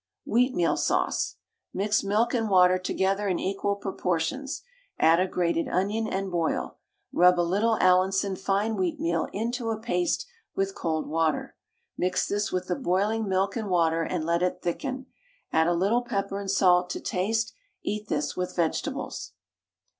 WHEATMEAL SAUCE. Mix milk and water together in equal proportions, add a grated onion, and boil; rub a little Allinson fine wheatmeal into a paste with cold water. Mix this with the boiling milk and water, and let it thicken; add a little pepper and salt to taste. Eat this with vegetables.